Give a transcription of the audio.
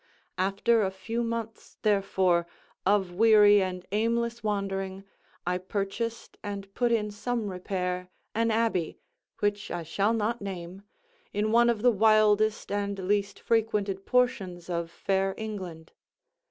After a few months, therefore, of weary and aimless wandering, I purchased, and put in some repair, an abbey, which I shall not name, in one of the wildest and least frequented portions of fair England.